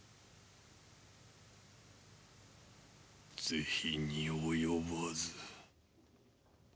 是非に及ばず。